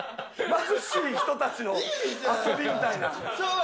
貧しい人たちの遊びみたいな。